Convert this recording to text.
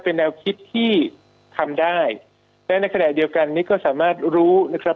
เป็นแนวคิดที่ทำได้และในขณะเดียวกันนี้ก็สามารถรู้นะครับ